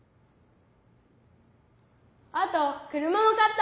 あと車も買った。